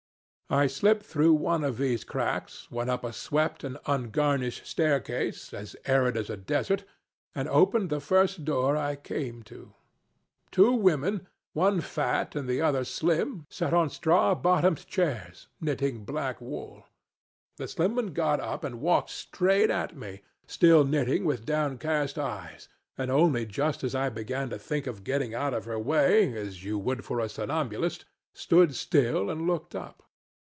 I slipped through one of these cracks, went up a swept and ungarnished staircase, as arid as a desert, and opened the first door I came to. Two women, one fat and the other slim, sat on straw bottomed chairs, knitting black wool. The slim one got up and walked straight at me still knitting with downcast eyes and only just as I began to think of getting out of her way, as you would for a somnambulist, stood still, and looked up.